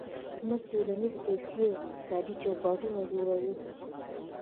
موږ ټولنیز، سیاسي او اقتصادي چوکاټونه جوړوو.